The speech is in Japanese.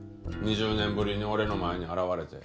２０年ぶりに俺の前に現れて。